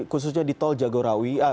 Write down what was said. khususnya di tol jagorawi